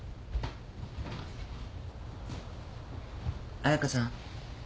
・彩佳さん。